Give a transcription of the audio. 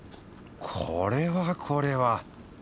これはこれは。